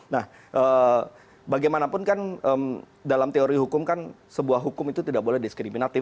nah bagaimanapun kan dalam teori hukum kan sebuah hukum itu tidak boleh diskriminatif